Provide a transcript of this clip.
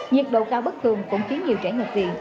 nhiệt độ cao bất thường cũng khiến nhiều trẻ nhập viện